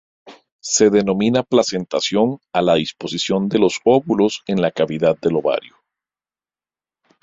Se denomina placentación a la disposición de los óvulos en la cavidad del ovario.